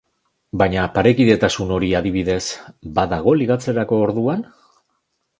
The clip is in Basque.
Baina, parekidetasun hori, adibidez, badago ligatzerako orduan?